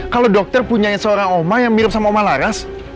kalo dokter punya seorang omah yang mirip sama omah laras